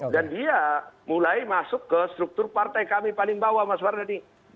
dan dia mulai masuk ke struktur partai kami paling bawah mas mardani